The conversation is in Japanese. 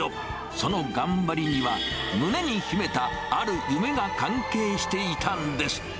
その頑張りには、胸に秘めた、ある夢が関係していたんです。